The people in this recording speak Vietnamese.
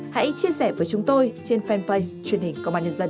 hãy chia sẻ với chúng tôi trên fanpage truyền hình công an nhân dân